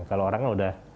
kalau orangnya sudah